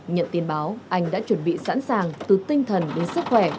nhận tin báo anh đã chuẩn bị sẵn sàng từ tinh thần đến sức khỏe